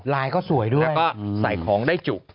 ก็สวยด้วยแล้วก็ใส่ของได้จุก